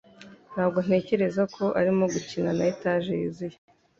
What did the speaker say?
Ntabwo ntekereza ko arimo gukina na etage yuzuye.